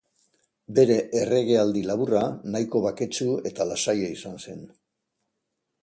Bere erregealdi laburra, nahiko baketsu eta lasaia izan zen.